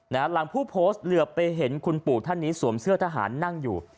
หลังผู้โพสต์เหลือไปเห็นคุณปู่ท่านนี้สวมเสื้อทหารนั่งอยู่